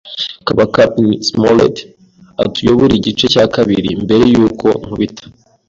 saba Cap'n Smollett atuyobore igice cya kabiri mbere yuko nkubita. ”